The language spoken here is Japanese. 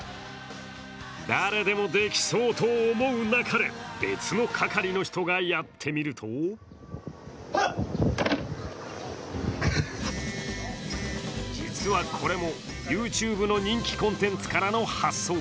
誰でもできそうと思うなかれ、別の係の人がやってみると実はこれもＹｏｕＴｕｂｅの人気コンテンツからの発想。